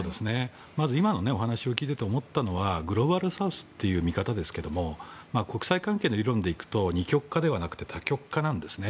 まず、今のお話を聞いて思ったのはグローバルサウスという見方ですが国際関係の世論でいくと二極化ではなく多極化なんですね。